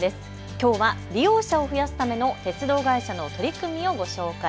きょうは利用者を増やすための鉄道会社の取り組みをご紹介。